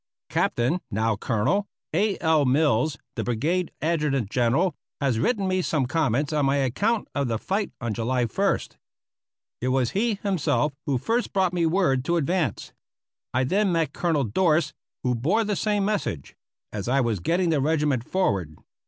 Captain (now Colonel) A. L. Mills, the Brigade Adjutant General, has written me some comments on my account of the fight on July 1st. It was he himself who first brought me word to advance. I then met Colonel Dorst who bore the same message as I was getting the regiment forward.